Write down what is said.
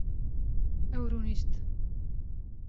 Ew rûnişt